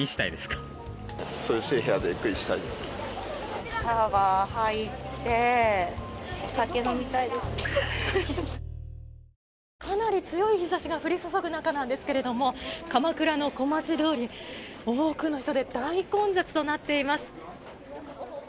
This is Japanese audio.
かなり強い日差しが降り注ぐ中なんですが鎌倉の小町通り、多くの人で大混雑となっています。